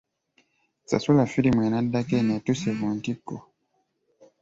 Sasula firimu enaddako eno etuuse ku ntikko.